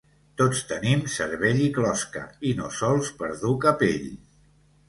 Tots tenim cervell i closca i no sols per dur capell.